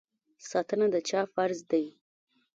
ساتنه د چا فرض دی؟